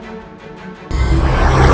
masuk ke dalam sini